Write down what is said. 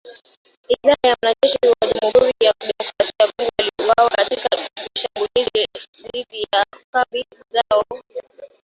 Idadi ya wanajeshi wa Jamhuri ya kidemokrasia ya Kongo waliouawa katika shambulizi dhidi ya kambi zao haijajulikana.